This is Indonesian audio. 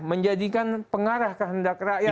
menjadikan pengarah kehendak rakyat